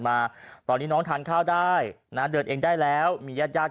มาตอนนี้น้องทานข้าวได้นะเดินเองได้แล้วมีญาติญาติ